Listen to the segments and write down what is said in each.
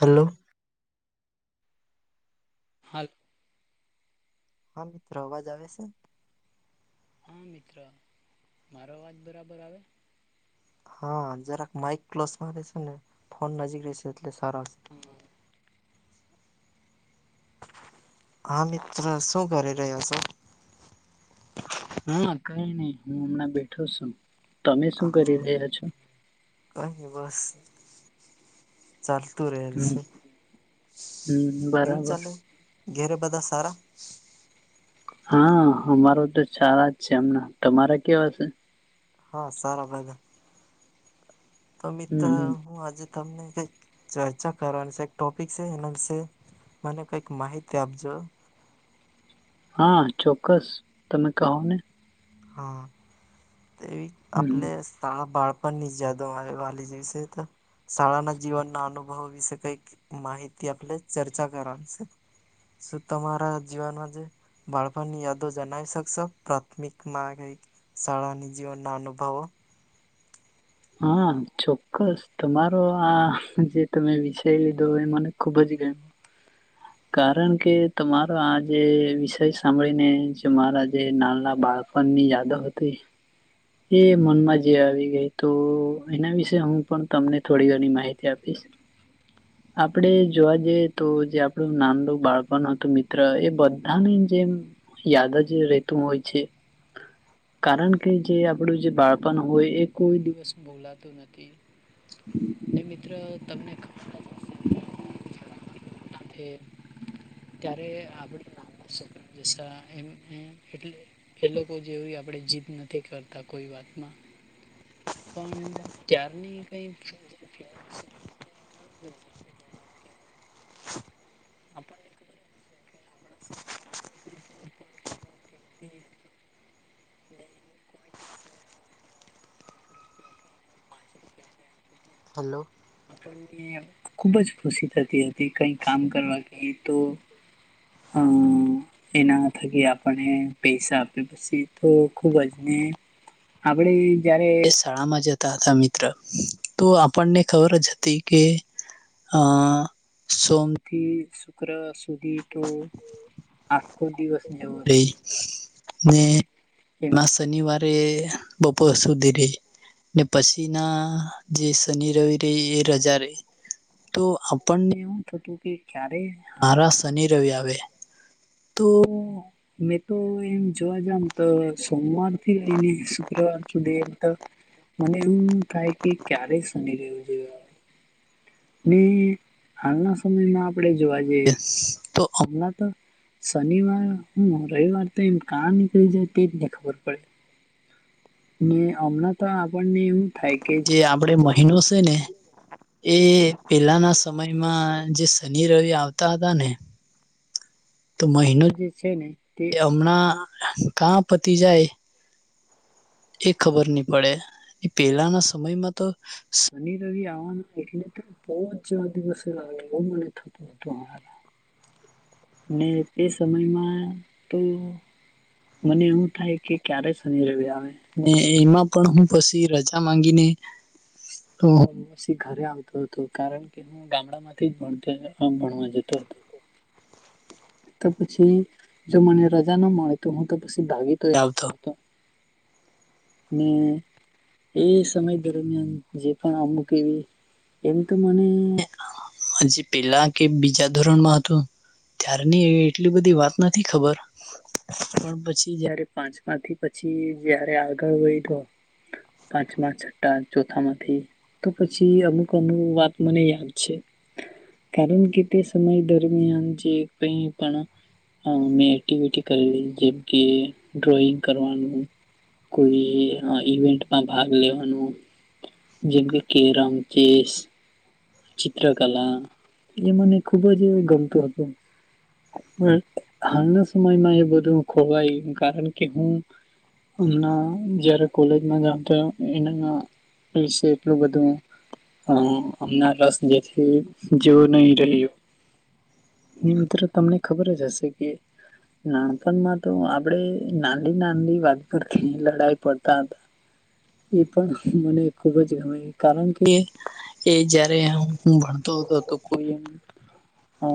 Hello. હા. હા મિત્રો અવાજ આવે છે. હા મિત્ર મારો અવાજ બરાબર આવે છે. હા જરાક માઇક ક્લસ માં રશે ને ફોન નજીક રહેશે એટલે સારા હા મિત્ર શું કરી રહ્યા છો. હા કઈ નહી હું હમણાં બેઠો છું તમે શું કરી રહ્યા છો. કોઈ ન બસ ચાલતું રેલ હમ હમ કેવું બરાબર ચાલે ઘેરે બધા સારા હા અમારો તો સારા જ છે. એમના તમારે કેવાશે હા સારા બધા તો હમ મિત્ર હમ હું આજે તમને કઈક ચર્ચા કરવાની છે ટોપિક છે, એના વિશે મને કઈક માહિતી આપજો. હા ચોક્કસ તમે કહો ને હા તે હમ આપલે સ્ળ બાળ પણ નીચ જદ મારે વાલીીજી છે, તો શાળાના જીવનના અનુભવ વિશે કઈ માહિતી આપણે ચર્ચ કરાવ છે. શું તમારા જીવનમાં જે બાળપણની યાદો જણાવી શકશો પ્રાથમિક મા કઈ શાળાની જીવન ના અનુભવ. હા ચોક્કસ તમારો આ જે તમે વિષય લીધો એ મને ખુબ જ ગમ. કારણ કે તમારો આ જે વિષય સાંભળીનેરા જે નાલના બાળ. ફનની યાદા હતી એ મનમાં જે આવી ગઈ. તો એના વિશે હું પણ તમને થોડી ઘણી માહિતી આપીશ હમ્મ આપડે જોવા જઈએ તો જે આપણું નાડું બાળપણ હતું મિત્ર એ બધાની જેમ યાદ જ રહેેતું હોય છે. કારણ કે જે આપણું જે બાળપણ હોય એ કોઈ દિવસ બોલાતું નથી. મિત્ર તમને ખબર ત્યારે આપ એમ એમ એટલે એ લોકો જેવી આપણે જીદ નથી કરતા કોઈ વાતમાં પણ તારની કઈ હમ્મ આપણ હલો પણ ખુબ જ ખુશી થતી હતી કઈ કામ કરવા કે તો હમ્મ એના થકી આપને પૈસા આપે પછી તો ખુબજને આપણે જયારે શાળામાં જતા હતા મિત્ર તો આપણને તરા જાતી કે અ સોમથી શુક્ર સુધી તો આખો દિવસને ઉરે ને એમાં શનિવારે બપોર સુધી રહી. ને પછી ના જે શનિ રવિ ર એ રજા રહી. તો આપણને એવું થતું કે ક્યારે મારા શનિ રવિ આવે તો મે તો એમ જોવા જામ તો સોમવાર થી લઈને શુક્રવાર સુધી એમ તો મને એવું થાય કે ક્યારે શનિ રવિ જેવા આવે ને હાલના સમયમાં આપણે જોવા જઈએ તો હમણાં તો શનિવાર હ રવિવાર તો એમ કા નીકળી જાય તેજ નને ખબર પડે ને હમણાં તો આપણને એવું થાય કે જે આપડ મહિનો છેને. એ પેલાના સમયમાં જે શનિ રવિ આવતા હતા, ને તો મહિનો જે છે ને તે હમણાં કા પતી જાય એ ખબર નહી પડે પહેલાના સમયમાં તો શનિ રવિ આવવાના એટલે તો બો જવા દિવસે લાગે એવું મને તો તો હારુ ને તે સમયમાં તો મને એવું થાય કે ક્યારે શનિ રવિ આવે. ને એમાં પણ હું પછી રજા માંગીને [unintelligible] ઘરે આવતો હતો કારણ કે હું ગામડા માંથી ભણતો આમ ભણવા જતો હતો તો પછી જો મને રજા ના મળે તો હું તો પછી ભાગીતો આવતો હતો. ને એ સમય દરમિયાન જે પણ અમુક એવી એમ તો મને હજી પેલા કે બીજા ધોરણમાં હતો ત્યારની એટલી બધી વાત નથી ખબર પણ પછી જયારે પાંચમા થી પછી જયારે આગળ વયધો પાંચમા છઠા ચોથામાંથી તો પછી અમુક કોનું વાત મને યાદ છે. કારણ કે તે સમય દરમિયાન જે કઈ પણ મેં એક્ટિવિટી કરેલી જેમકે ડ્રોઈંગ કરવાનું કોઈ ઈવેન્ટમાં ભાગ લેવાનું જેમ કે કેરમ ચેસ ચિત્રકલા એ મને ખુબ જ ગમતું હતું. હાલના સમયમાં એ બધું ખોવાય કારણ કે હું હમના જ્યારે કોલેજમાં જામ તો એના વિશે એટલું બધું હ હમનાં રસ જેથી જેવું નહી રહ્યુ. મિત્ર તમને ખબર જ હશે કે નાનપણમાં તો આપડે નાની નાલી વાત કરથી લડાઈ પડતા એ પણ મને ખુબ જ ગમે કારણ કે એ જયારે હું ભણતો હતો તો કોઈ અ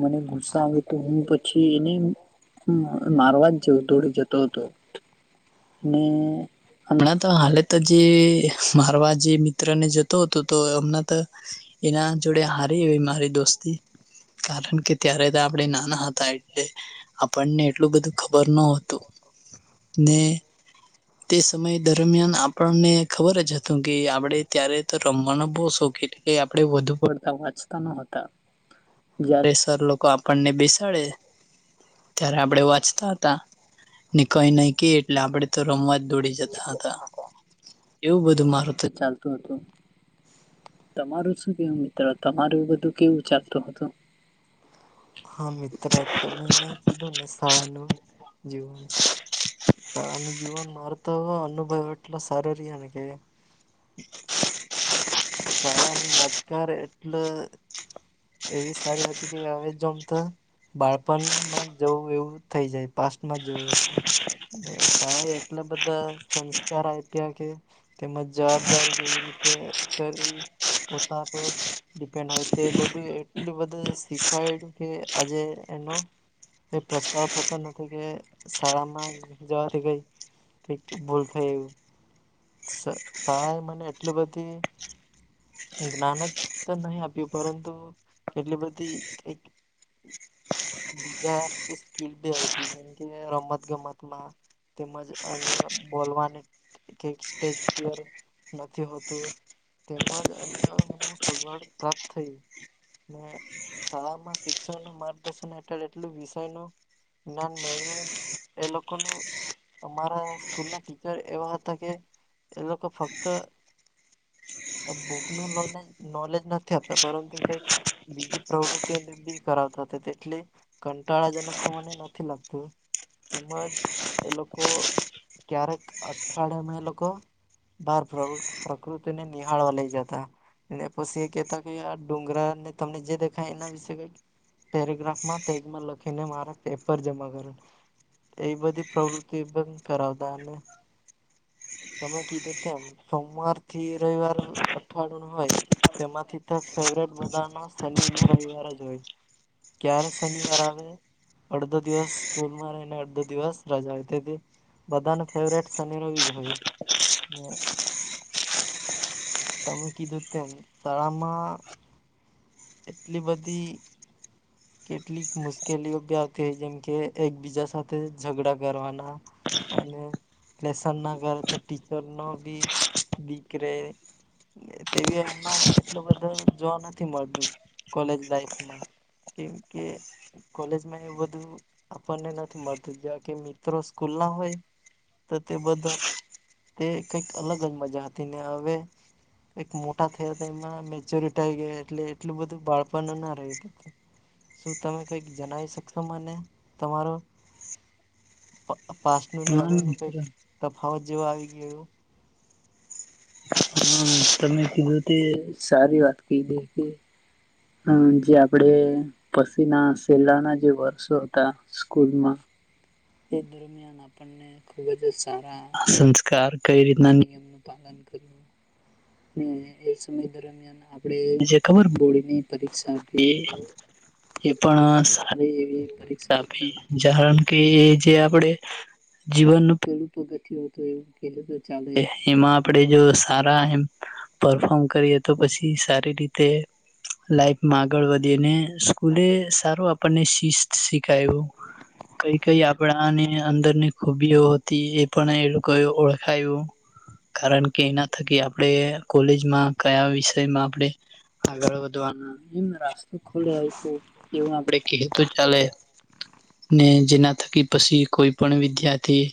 મને ગુ સ્સો તો હું પછી એને મારવા જ દોડે જતો હતો. ને હમણાં તો હાલે તો જે મારવા જે મિત્ર ને જતો હતો તો હમણાં તો એના જોડે હારી એ મારી દોસ્તી કારણ કે ત્યારે તો આપણે નાના હતા એટલે આપણને એટલું બધું ખબર નતું ને- તે સમય દરમિયાન આપણને ખબર જ હતું કે આપણેે ત્યારે તો રમવાનો બો શોખીન એ આપણેે વધુ પડતા વાંચતા ન હતા જયારે સર લોકો આપણને બેસાડે ત્યારે આપણે વાંચતા હતા. ને કઈ નહી કે એટલે આપડે તો રમવા જ દોડી જતા હતા. એવું બધું મારું તો ચાલતું હતું. તમારું શું કેવું મિત્ર તમારું બધું કેવું ચાલતું હતું? હા મિત્ર તમે કીધું ને શાળાનું જીવન- - તન જીવન મારતાવા અનુભવ એટલા સાર ર આનકે- - [inaudible] શાળા ની અને યાદગાર એટલે એવી સારી હતી કે હવે જોમ તો બાળપણ માં જવું એવું થઈ જાય પાસ્ટ માં જવું શાળાએ એટલા બધા સંસ્કાર આપ્યા કે તેમજ જવાબદારી કેવી રીતે કરવી પોતા પર ડિપેન્ડ હોય તે બધું એટલું બધું શીખવાયું કે આજે એનો એ પસ્તાવ થતો નથી કે શાળા માં જવાથી કઈ કઇક ભૂલ થાય એ શાળા મને એટલી બધી જ્ઞાન જ તો નહી આપ્યું પરંતુ કેટલી બધી કઇક બીજા સ્કીલ આપી જેમ કે રમત ગમત માં તેમજ અન્ય બોલવાને કઈક સ્ટેજ ફિયર નથી હોતું તેમજ અન્યને સગવડ પ્રાપ્ત થયું ને શાળામાં શિક્ષણ નુ માર્ગદર્શન હેઠળ એટલું વિષય નો જ્ઞાન મેળવુ એ લોકો લોકોનું અમારા સ્કૂલ ના ટીચર એવા હતા કે એ લોકો ફક્ત. બુક નું નોલેજ નોલેજ નથી આપતા પરંતુ કઈક. બીજી પ્રવૃતિઓને બી કરાવતા હતા તે એટલે. કંટાળાજનક તો મને નથી લાગતું તેમજ એ લોકો ક્યારેક અઠવાડિયામાં એ લોકો બાર પ્રવૃ પ્રકૃ તી ને નિહાળવા લઈ જતા. ને પછી એ કહેતા કે આ ડુંગરા ને તમને જે દેખાય એના વિશેે કઈક પેરેગ્રાફમાં પેજમાં લખીને મારા પેપર જમા કરે. એ બધી પ્રવૃત્તિ પણ કરાવતા અને તમે કીધું તેમ સોમવાર થી રવિવાર અઠવાડ ન હોય તેમાંથી તે ફેવરેટ બધાનો શનિ ને રવિવાર જ હોય ક્યારે શનિવાર આવે અડધો દિવસ સ્કૂલ માં રહીને અડધો દિવસ રજા આવતી હતી બધા નો ફેવરેટ સની રવી જ હોય. તમે કીધું તેમ શાળામાં એટલી બધી કેટલીક મુશ્કેલીઓ બી આવતી હોય જેમ કે એકબીજા સાથે ઝઘડા કરવાના અને લેસન ના કરે તો ટીચર નો બી બીક રે તેવી હમણાં એટલો બધો જોવા નથી મળતું કોલેજ લાઈફમાં કેમ કે કોલેજમાં એવું બધું આપણને નથી મળતું જેવા કે મિત્રો સ્કૂલ ના હોય તો તે બધા તે કઈક અલગ જ મજા હતી ને હવે એક મોટા થયા હતા એમાં મેચ્યોરિટી આઈ ગયા એટલે એટલું બધું બાળપણનું ના રહ્યું ત શું તમે કઈક જણાવી શકશો મને તમારો પ પાસ નું ને હા હવે ન મિત્ર કઈક તફાવત જેવા આવી ગયું? હમ તમે કીધું તે સારી વાત કહી દે કે હમ જે આપડે પછી ના છેલા ના જે વર્ષો હતા સ્કૂલમાં એ દરમિયાન આપને ખુબ જ સારા સંસ્કાર કઈ રીતના નિયમ પાલન કર્યું સમય દરમિયાન આપણે ખબર બોર્ડની પરીક્ષા એ પણ સારી એવી પરીક્ષા આપી જાણ કે જે આપણેે જીવનનું પેલું પગથિયુ હતુ એવું પેલું તો ચાલે એમાં આપણે જો સારા એમ પરફોર્મ કરીએ તો પછી સારી રીતે. લાઈફમાં આગળ વધીને સ્કૂલે સારું આપણને શિસ્ શીખાયું કઈ કઈ આપણાને અંદરને ખૂબીઓ હતી એ પણ એલું કોએ ઓળખાયું. કારણ કે એના થકી આપણે કોલેજમાં કયા વિષયમાં આપણે આગળ વધવાના એમ રાસ્તો ખોલે આપ્યો એવું આપડે કેએ તો ચાલે ને જેના થકી પછી કોઈ પણ વિદ્યાર્થી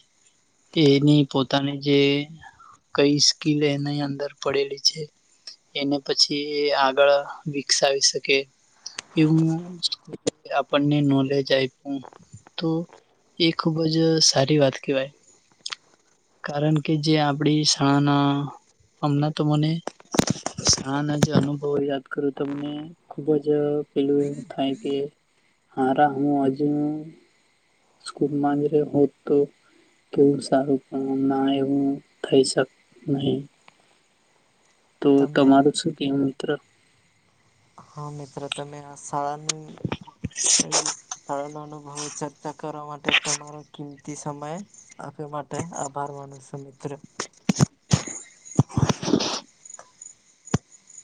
એની પોતાની જે કઈ સ્કીલ એની અંદર પડેલી છે એને પછી એ આગળ પૈસા આવી શકે કે એવુ આપણે નોલેજ આઈ હમ તો એ ખુબ જ સારી વાત કહેવાય. કારણ કે જે આપણી શાળાના હમણાં તો મને શા ના જે અનુભવો યાદ કરું તો મને ખુબ જ પેલું એમ થાય કે હા રમું હજુ હું સ્કૂલ માં જ રયો હોત તો કેવું સારું પણ ના એવું થઈ શક નહી તો તમે તમારું શું કેવું મિત્ર હા મિત્રો તમે આ શાળા નું શાળા ન અનુભવો છ કરવા માટે તમારો કિંમતી સમય આપવા માટે આભાર માનો છો મિત્રો.